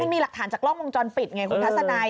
มีหลักฐานจากกล้องวงจรปิดไงคุณทัศนัย